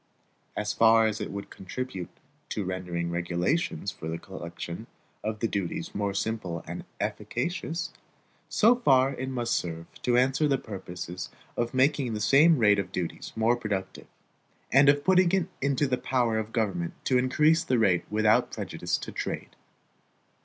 As far as it would contribute to rendering regulations for the collection of the duties more simple and efficacious, so far it must serve to answer the purposes of making the same rate of duties more productive, and of putting it into the power of the government to increase the rate without prejudice to trade.